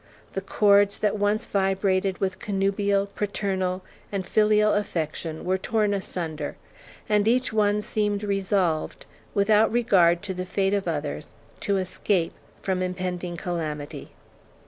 The chords that once vibrated with connubial, parental, and filial affection were torn asunder, and each one seemed resolved, without regard to the fate of others, to escape from impending calamity.